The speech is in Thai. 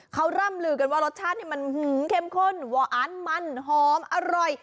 เขาร่ำลือกันว่ารสชาตินี่มันเข้มข้นหวานมันหอมอร่อย